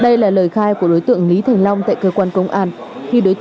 gia đình là tế bào của xã hội